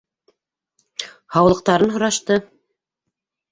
Һаулыҡтарын һорашты.